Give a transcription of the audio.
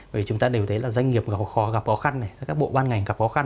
vì chúng ta đều thấy là doanh nghiệp gặp khó khăn các bộ ban ngành gặp khó khăn